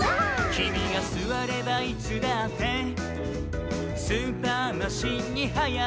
「きみがすわればいつだってスーパー・マシンにはやがわり」